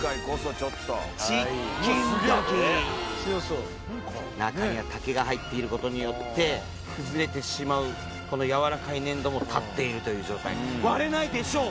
やった中には竹が入っていることによって崩れてしまうこのやわらかい粘土も立っているという状態割れないでしょう